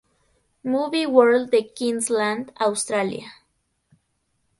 Movie World de Queensland, Australia.